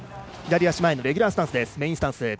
左足前のレギュラースタンス。